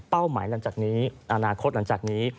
เป้าหมายอาณาคตหลังจากนี้